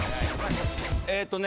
えーっとね。